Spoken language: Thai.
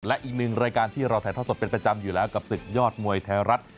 และอีกหนึ่งรายการที่เราถ่ายทอดสดเป็นประจำอยู่แล้วกับศึกยอดมวยไทยรัฐ